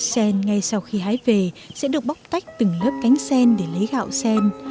sen ngay sau khi hái về sẽ được bóc tách từng lớp cánh sen để lấy gạo sen